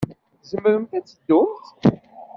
Tzemremt ad teddumt?